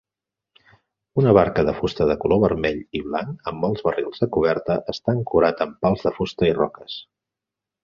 Una barca de fusta de color vermell i blanc amb molts barrils a coberta està ancorat amb pals de fusta i roques.